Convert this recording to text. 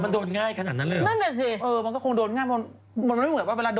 อ่ะเขากดพลาดหรือเปล่า